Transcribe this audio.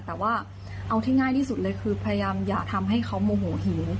แต่ว่าเอาที่ง่ายที่สุดเลยคือพยายามอย่าทำให้เขาโมโหหิว